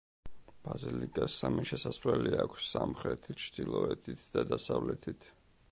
ბაზილიკას სამი შესასვლელი აქვს: სამხრეთით, ჩრდილოეთით და დასავლეთით.